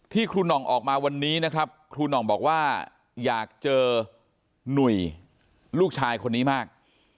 ครูหน่องออกมาวันนี้นะครับครูหน่องบอกว่าอยากเจอหนุ่ยลูกชายคนนี้มาก